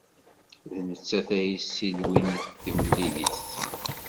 D nettat ay yesselwin timlilit.